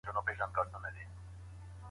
هغوی ته د ملګرتیا په اړه درس ورکړئ.